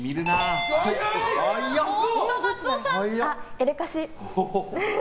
エレカシ。